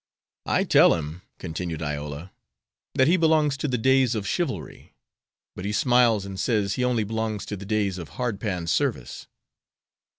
"I tell him," continued Iola, "that he belongs to the days of chivalry. But he smiles and says, 'he only belongs to the days of hard pan service.'"